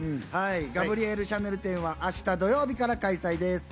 ガブリエル・シャネル展は明日土曜日から開催です。